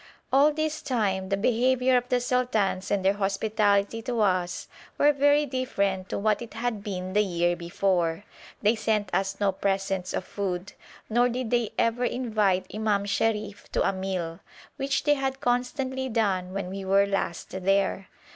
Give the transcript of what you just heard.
All this time the behaviour of the sultans and their hospitality to us were very different to what it had been the year before; they sent us no presents of food, nor did they ever invite Imam Sharif to a meal, which they had constantly done when we were last there.